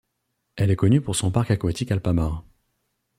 Elle est connue pour son parc aquatique Alpamare.